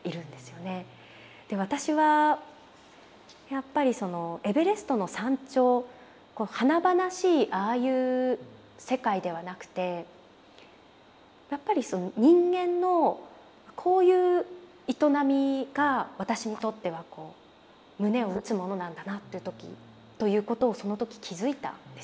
で私はやっぱりそのエベレストの山頂こう華々しいああいう世界ではなくてやっぱり人間のこういう営みが私にとっては胸を打つものなんだなということをその時気付いたんですよね。